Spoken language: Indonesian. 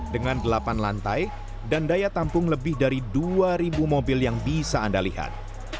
dengan delapan lantai dan daya tampung lebih dari dua mobil yang bisa anda lihat